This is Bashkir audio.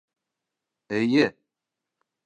Эйе!